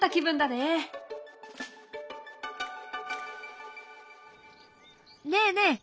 ねえねえ！